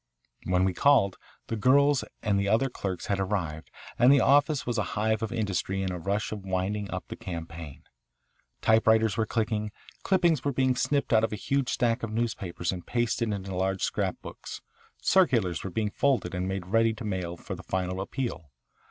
When we called, the girls and other clerks had arrived, and the office was a hive of industry in the rush of winding up the campaign. Typewriters were clicking, clippings were being snipped out of a huge stack of newspapers and pasted into large scrap books, circulars were being folded and made ready to mail for the final appeal.